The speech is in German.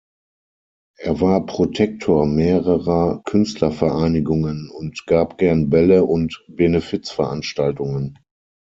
Er war Protektor mehrerer Künstlervereinigungen und gab gern Bälle und Benefizveranstaltungen.